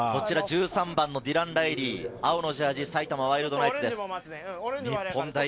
１３番のディラン・ライリー、青のジャージー、埼玉ワイルドナイツです。